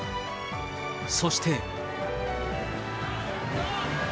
そして。